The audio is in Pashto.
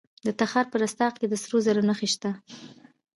د تخار په رستاق کې د سرو زرو نښې شته.